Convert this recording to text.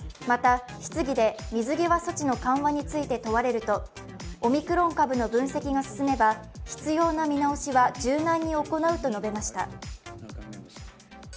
また質疑で水際措置の緩和について問われるとオミクロン株の分析が進めば、必要な見直しは柔軟に行うと述べました。